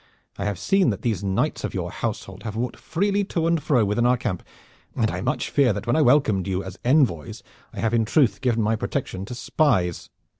I have seen that these knights of your household have walked freely to and fro within our camp, and I much fear that when I welcomed you as envoys I have in truth given my protection to spies.